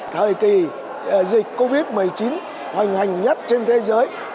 thời kỳ dịch covid một mươi chín hoành hành nhất trên thế giới